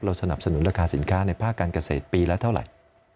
สนับสนุนราคาสินค้าในภาคการเกษตรปีละเท่าไหร่